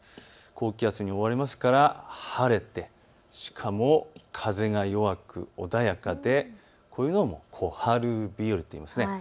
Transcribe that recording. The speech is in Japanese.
高気圧に覆われますから晴れて、しかも風が弱く穏やかでこういうのを小春日和といいます。